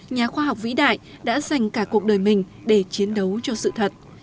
nhà khoa học vĩ đại đã dành cả cuộc đời mình để chiến đấu cho sự thật